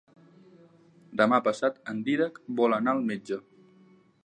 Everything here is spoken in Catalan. Demà passat en Dídac vol anar al metge.